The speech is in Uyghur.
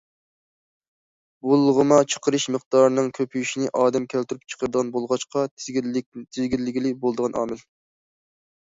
بۇلغىما چىقىرىش مىقدارىنىڭ كۆپىيىشىنى ئادەم كەلتۈرۈپ چىقىرىدىغان بولغاچقا، تىزگىنلىگىلى بولىدىغان ئامىل.